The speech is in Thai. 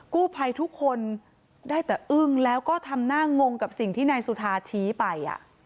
กู้ภัยทุกคนได้แต่อึ้งแล้วก็ทำหน้างงกับสิ่งที่นายสุธาชี้ไป